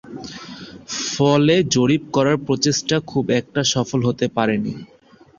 ফলে জরিপ করার প্রচেষ্টা খুব একটা সফল হতে পারেনি।